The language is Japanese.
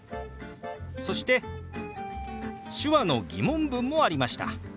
そして手話の疑問文もありました。